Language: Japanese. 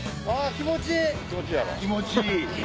気持ちいい。